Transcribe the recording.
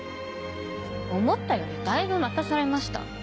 思ったよりだいぶ待たされました。